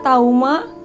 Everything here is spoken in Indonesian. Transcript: bisa gagal semuanya